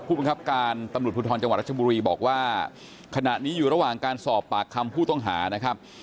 ผู้บังคับการตำรวจภูทรจังหวัดรัชบุรีบอกว่าขณะนี้อยู่ระหว่างการสอบปากคำผู้ต้องหานะครับ